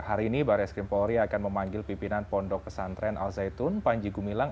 hari ini baris krim polri akan memanggil pimpinan pondok pesantren al zaitun panji gumilang